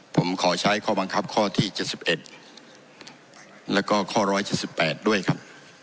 ผมขอใช้ข้อบังคับข้อที่๗๑แล้วก็ข้อ๑๗๘ด้วยครับ